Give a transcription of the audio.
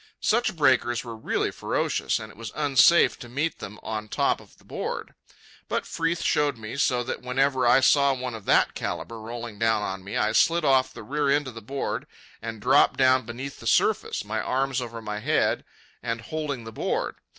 Such breakers were really ferocious, and it was unsafe to meet them on top of the board. But Freeth showed me, so that whenever I saw one of that calibre rolling down on me, I slid off the rear end of the board and dropped down beneath the surface, my arms over my head and holding the board.